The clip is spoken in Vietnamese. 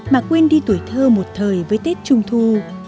mà quên đi tuổi thơ một thời với tết trung thu